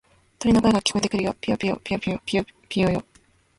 鳥の声が聞こえてくるよ。ぴよぴよ、ぴよぴよ、ぴよぴよよ。